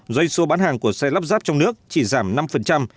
doanh số bán hàng của xe lắp ráp trong nước chỉ giảm năm